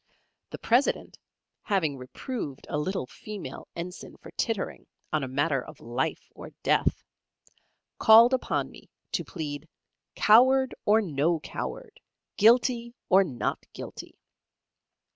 The President (having reproved a little female ensign for tittering, on a matter of Life or Death) called upon me to plead, "Coward or no Coward, Guilty or not Guilty?"